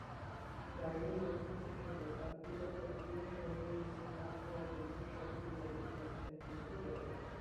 Dryden যখন খুব ছোট, তার পিতা চ্যাপলিনের সহকারী হিসেবে কাজ করার জন্য সপরিবারে লস অ্যাঞ্জেলেসে চলে যান।